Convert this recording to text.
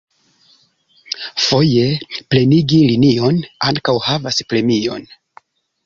Foje, plenigi linion ankaŭ havas premion.